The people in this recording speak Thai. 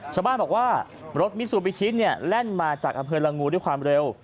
ชาวบ้านบอกว่ารถมิซูบิชิเนี่ยแล่นมาจากอำเภอละงูด้วยความเร็ว